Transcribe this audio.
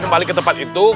kembali ke tempat itu